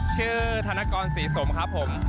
ธนกรศรีสมครับผม